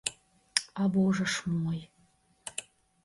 А божа ж мой!